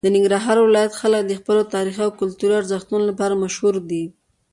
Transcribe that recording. د ننګرهار ولایت خلک د خپلو تاریخي او کلتوري ارزښتونو لپاره مشهور دي.